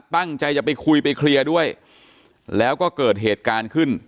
ตั้งใจจะไปคุยไปเคลียร์ด้วยแล้วก็เกิดเหตุการณ์ขึ้น